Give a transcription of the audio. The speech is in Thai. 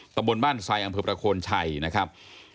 ตำรวจบ้านไสอังเภอประโคนชัยนะครับ